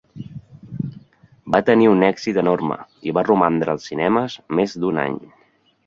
Va tenir un èxit enorme i va romandre als cinemes més d'un any.